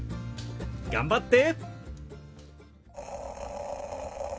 頑張って！